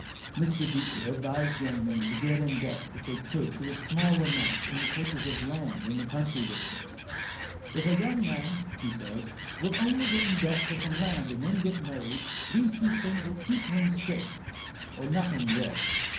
Mr. Beecher advised young men to get in debt if they could to a small amount in the purchase of land in the country districts. "If a young man," he says, "will only get in debt for some land and then get married, these two things will keep him straight, or nothing will."